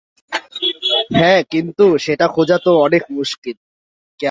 হ্যাঁ কিন্তু, সেটা খোঁজা তো অনেক মুশকিল।